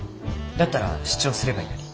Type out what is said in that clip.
だったら主張すればいいのに。